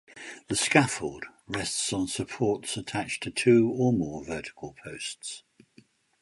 The scaffold rests on supports attached to two or more vertical posts.